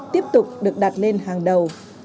tiếp tục được đặt lên hàng đầu